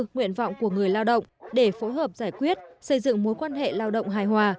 nguyện vọng của người lao động để phối hợp giải quyết xây dựng mối quan hệ lao động hài hòa